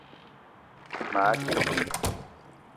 Maa te ding